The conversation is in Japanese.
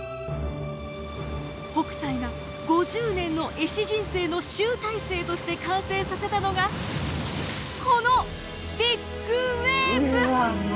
北斎が５０年の絵師人生の集大成として完成させたのがこのビッグウエーブ！